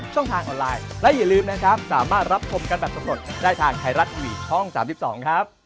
กันแบบทั้งหมดได้ทางไทยรัฐอีวิตช่อง๓๒ครับ